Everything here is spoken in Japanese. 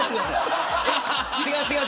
違う違う。